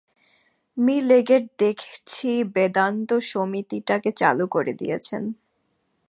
Me Leggett দেখছি বেদান্ত সমিতিটাকে চালু করে দিয়েছেন।